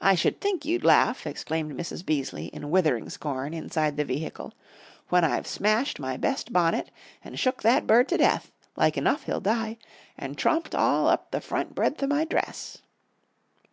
"I sh'd think you'd laugh," exclaimed Mrs. Beaseley, in withering scorn, inside the vehicle, "when I've smashed my best bonnet, and shook that bird to death like enough he'll die and tromped all up the front breadth to my dress."